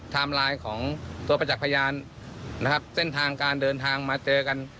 ไทม์ไลน์ของตัวประจักรพยานเส้นทางการเดินทางมาเจอกัน